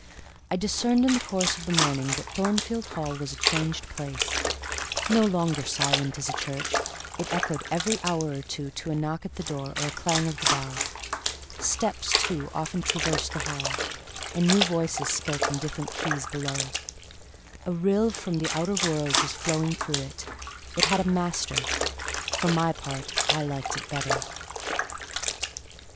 I discerned in the course of the morning that Thornfield Hall was a changed place: no longer silent as a church, it echoed every hour or two to a knock at the door, or a clang of the bell; steps, too, often traversed the hall, and new voices spoke in different keys below; a rill from the outer world was flowing through it; it had a master: for my part, I liked it better.